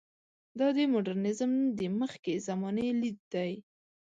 دا د مډرنیزم د مخکې زمانې لید دی.